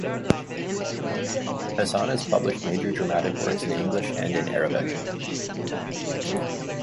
Hassan has published major dramatic works in English and in Arabic.